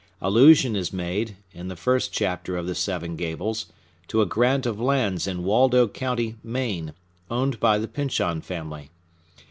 Allusion is made, in the first chapter of the "Seven Gables," to a grant of lands in Waldo County, Maine, owned by the Pyncheon family.